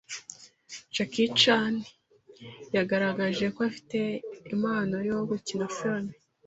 Jackie Chan yagaragaje ko afite impano yo gukina Film